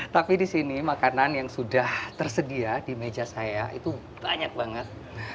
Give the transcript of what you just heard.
tapi di sini makanan yang sudah tersedia di meja saya itu banyak banget